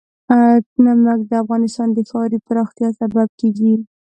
نمک د افغانستان د ښاري پراختیا سبب کېږي.